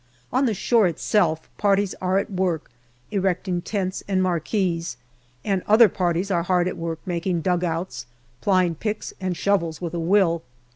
On the shore itself parties are at work erecting tents and marquees, and other parties are hard at work making dugouts, plying picks and shovels with a will.